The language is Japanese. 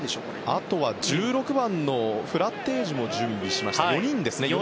あとは１６番フラッテージも準備していて４人ですね。